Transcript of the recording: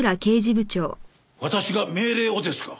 私が命令をですか？